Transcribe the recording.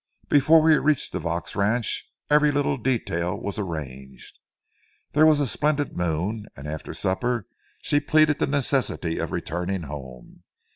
Before we reached the Vaux ranch every little detail was arranged. There was a splendid moon, and after supper she plead the necessity of returning home.